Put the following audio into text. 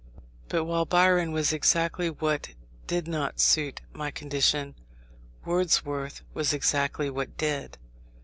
But while Byron was exactly what did not suit my condition, Wordsworth was exactly what did.